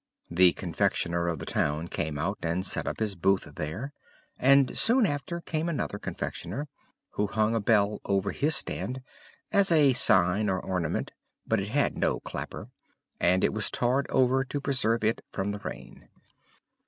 The confectioner of the town came out, and set up his booth there; and soon after came another confectioner, who hung a bell over his stand, as a sign or ornament, but it had no clapper, and it was tarred over to preserve it from the rain.